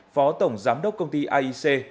phó tổng giám đốc công ty aic